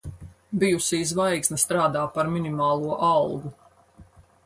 Bijusī zvaigzne strādā par minimālo algu.